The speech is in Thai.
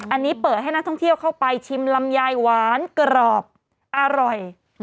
อันนี้เปิดให้นักท่องเที่ยวเข้าไปชิมลำไยหวานกรอบอร่อย